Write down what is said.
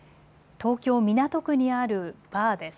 東京港区にあるバーです。